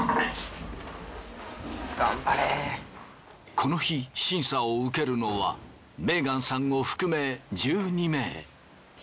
この日審査を受けるのはメーガンさんを含め１２名。